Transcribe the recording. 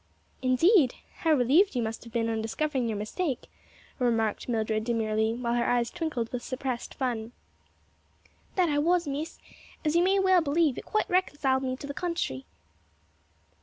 "Indeed! how relieved you must have been on discovering your mistake," remarked Mildred demurely, while her eyes twinkled with suppressed fun. "That I was, Miss, as you may well believe; it quite reconciled me to the country."